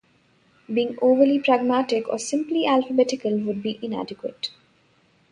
Being overly pragmatic or simply alphabetical, would be inadequate.